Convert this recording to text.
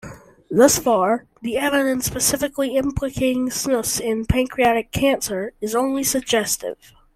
Thus far, the evidence specifically implicating snus in pancreatic cancer is only suggestive.